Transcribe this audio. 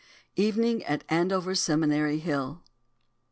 EVENING AT ANDOVER SEMINARY HILL.